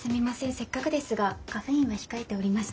せっかくですがカフェインは控えておりまして。